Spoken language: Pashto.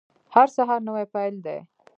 هر سهار نوی پیل دی